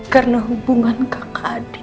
karena hubungan kakak adik